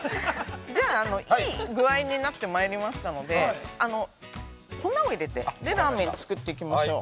◆じゃあいいぐあいになってまいりましたので、粉を入れて、ラーメンを作っていきましょう。